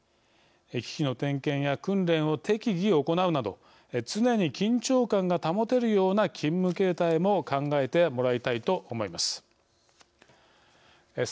機器の点検や訓練を適宜行うなど常に緊張感が保てるような勤務形態も考えてもらいたいと思います。